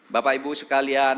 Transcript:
bapak ibu sekalian